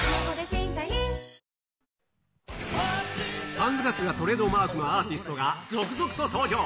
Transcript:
サングラスがトレードマークのアーティストが続々と登場。